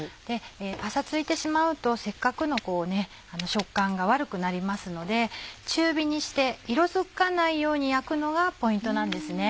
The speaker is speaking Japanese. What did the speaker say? パサついてしまうとせっかくの食感が悪くなりますので中火にして色づかないように焼くのがポイントなんですね。